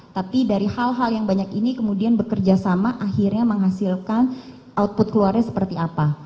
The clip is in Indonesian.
tapi dari hal hal yang banyak ini kemudian bekerja sama akhirnya menghasilkan output keluarnya seperti apa